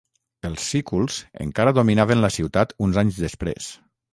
Els sículs encara dominaven la ciutat uns anys després.